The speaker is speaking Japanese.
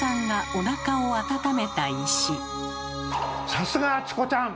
さすがチコちゃん！